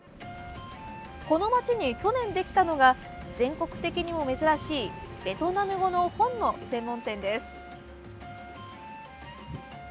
この街に去年できたのが全国的にも珍しいベトナム語の本の専門店です。